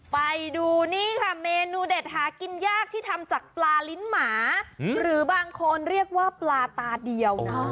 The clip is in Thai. ไปดูนี่ค่ะเมนูเด็ดหากินยากที่ทำจากปลาลิ้นหมาหรือบางคนเรียกว่าปลาตาเดียวนะ